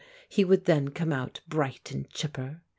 He would then come out bright and chipper.